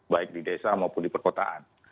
baik di desa maupun di perkotaan